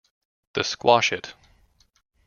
The Squash It!